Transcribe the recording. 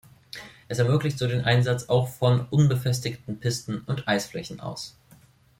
Es ermöglicht so den Einsatz auch von unbefestigten Pisten und Eisflächen aus.